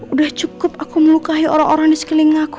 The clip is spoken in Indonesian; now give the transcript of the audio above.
udah cukup aku melukai orang orang di sekeliling aku